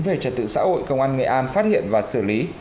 về trật tự xã hội công an nghệ an phát hiện và xử lý